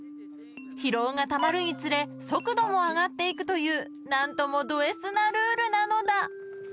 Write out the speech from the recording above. ［疲労がたまるにつれ速度も上がっていくという何ともドＳなルールなのだ］